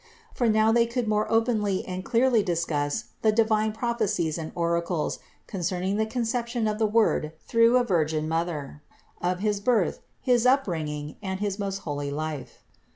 For now they could more openly and clearly discuss the divine prophecies and oracles concerning the conception of the Word through a Virgin Mother, of his birth, his bring ing up, and his most holy life.